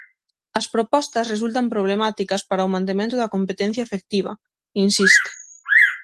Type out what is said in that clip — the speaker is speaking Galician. "As propostas resultan problemáticas para o mantemento da competencia efectiva", insiste.